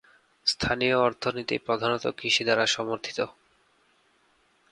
স্থানীয় অর্থনীতি প্রধানত কৃষি দ্বারা সমর্থিত।